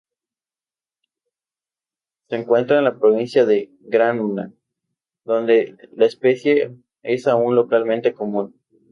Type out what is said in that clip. Se encuentra en la provincia de Granma, donde la especie es aún localmente común.